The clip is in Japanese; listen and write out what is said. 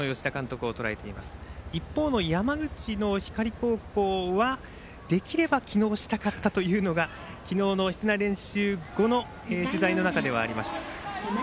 一方の山口の光高校はできれば昨日したかったというのが昨日の室内練習後の取材の中ではありました。